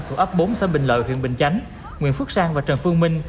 thuộc ấp bốn xã bình lợi huyện bình chánh nguyễn phúc sang và trần phương minh